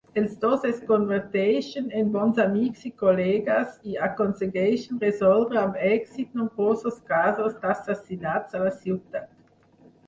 Els dos es converteixen en bons amics i col·legues i aconsegueixen resoldre amb èxit nombrosos casos d'assassinat a la ciutat.